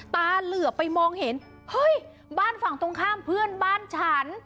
ตาเหลือไปมองเห็นเฮ้ยบ้านฝั่งตรงข้ามเพื่อนบ้านฉัน